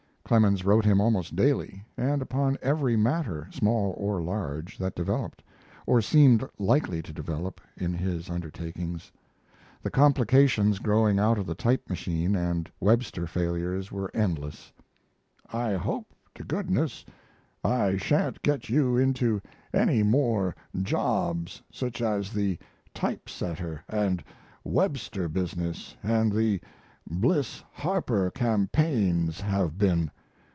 Clemens wrote him almost daily, and upon every matter, small or large, that developed, or seemed likely to develop, in his undertakings. The complications growing out of the type machine and Webster failures were endless. ["I hope to goodness I sha'n't get you into any more jobs such as the type setter and Webster business and the Bliss Harper campaigns have been.